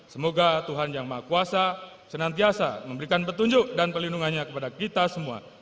semoga tuhan yang maha kuasa senantiasa memberikan petunjuk dan pelindungannya kepada kita semua